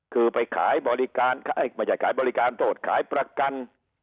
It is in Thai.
คือไปขายบริการไม่ใช่ขายบริการโทษขายประกัน